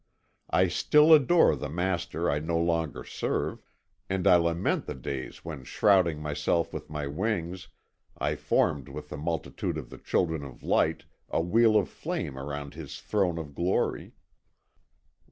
I still adore the Master I no longer serve, and I lament the days when shrouding myself with my wings I formed with the multitude of the children of light a wheel of flame around His throne of glory.